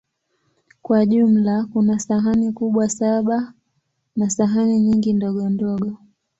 Kwa jumla, kuna sahani kubwa saba na sahani nyingi ndogondogo.